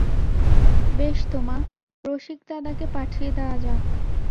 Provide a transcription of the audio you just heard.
বেশ তো মা, রসিকদাদাকে পাঠিয়ে দেওয়া যাক।